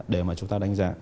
để mà chúng ta đánh giá